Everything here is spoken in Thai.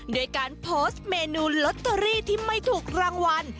ด้วยการโพสต์เมนูลอตเตอรี่ที่ไม่ถูกรางวัล